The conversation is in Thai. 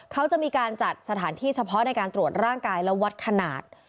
เขาจะมีการจัดสถานที่เฉพาะในการตรวจร่างกายและวัดขนาด